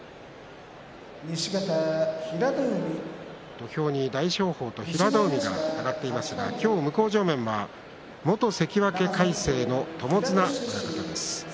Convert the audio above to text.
土俵に大翔鵬と平戸海が上がっていますが今日、向正面は元関脇魁聖の友綱親方です。